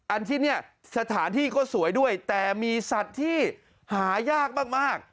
ที่เนี่ยสถานที่ก็สวยด้วยแต่มีสัตว์ที่หายากมาก